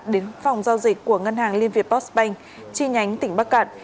đến phòng giao dịch của ngân hàng liên việt postbank chi nhánh tỉnh bắc cạn